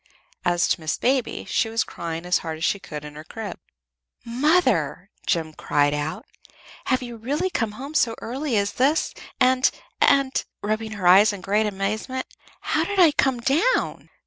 As to Miss Baby, she was crying as hard as she could in her crib. "Mother!" Jem cried out, "have you really come home so early as this, and and," rubbing her eyes in great amazement, "how did I come down?"